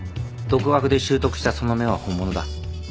独学で習得したその目は本物だ。